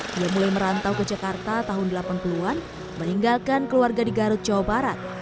dia mulai merantau ke jakarta tahun delapan puluh an meninggalkan keluarga di garut jawa barat